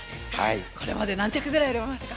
これまで何着ぐらい売れましたか？